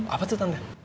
apa tuh tante